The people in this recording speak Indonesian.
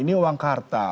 ini uang kartal